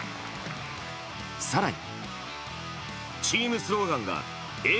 更に。